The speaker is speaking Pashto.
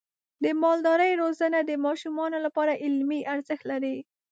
د مالدارۍ روزنه د ماشومانو لپاره علمي ارزښت لري.